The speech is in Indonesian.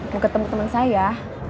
mau ketemu temen saya